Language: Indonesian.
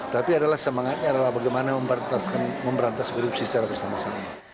tapi adalah semangatnya adalah bagaimana memperantas ke hidup secara bersama sama